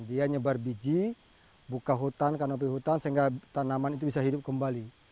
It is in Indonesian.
dia nyebar biji buka hutan kanopi hutan sehingga tanaman itu bisa hidup kembali